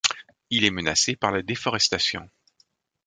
Il est menacé par la déforestation.